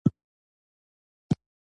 افغانستان د ټاپي حق العبور اخلي